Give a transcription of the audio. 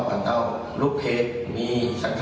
การเงินมันมีฝ่ายฮะ